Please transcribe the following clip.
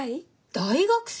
大学生？